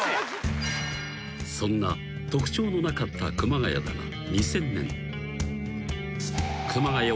［そんな特徴のなかった熊谷だが２０００年］